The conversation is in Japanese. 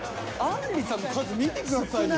あんりさんの数見てくださいよ。